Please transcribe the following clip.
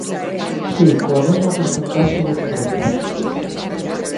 Si, coa mesma porcentaxe de pobreza.